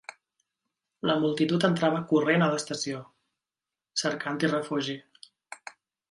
La multitud entrava corrent a l'estació, cercant-hi refugi